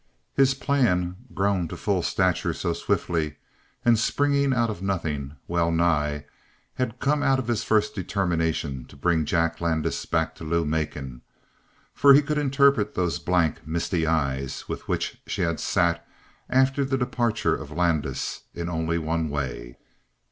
16 His plan, grown to full stature so swiftly, and springing out of nothing, well nigh, had come out of his first determination to bring Jack Landis back to Lou Macon; for he could interpret those blank, misty eyes with which she had sat after the departure of Landis in only one way.